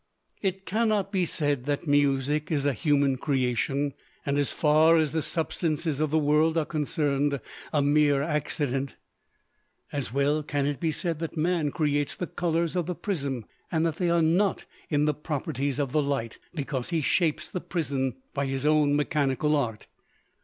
It cannot be said that music is a human creation, and as far as the substances of the world are concerned, a mere accident. As well can it be said that man creates the colors of the prism, and that they are not in the properties of the light, because he shapes the prism by his own mechanical art.